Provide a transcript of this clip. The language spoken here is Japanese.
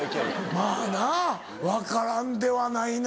まぁな分からんではないな。